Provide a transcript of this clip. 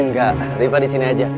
enggak rifah di sini saja